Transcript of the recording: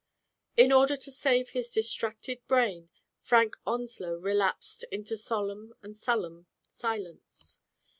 In order to save his distracted brain, Frank Onslow relapsed into solemn and sullen silence.